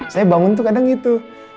saya bangun tuh kadang gitu